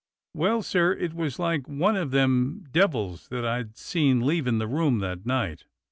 ^" "Well, sir, it was like one of them devils that I'd seen leaving the room that night.